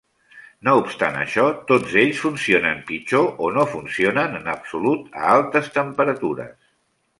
No obstant això, tots ells funcionen pitjor o no funcionen en absolut a altes temperatures.